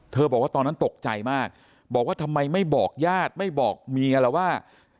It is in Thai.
บอกว่าตอนนั้นตกใจมากบอกว่าทำไมไม่บอกญาติไม่บอกเมียแล้วว่า